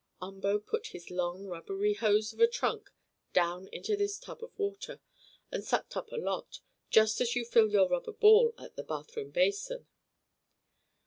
Umboo put his long, rubbery hose of a trunk down into this tub of water, and sucked up a lot, just as you fill your rubber ball at the bathroom basin.